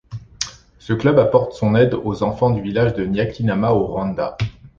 Ce club apporte son aide aux enfants du village de Nyakinama au Rwanda.